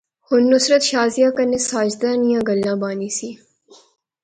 ہن نصرت شازیہ کنے ساجدے نیاں گلاں بانی سی